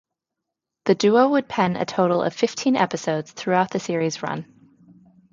The duo would pen a total of fifteen episodes throughout the series' run.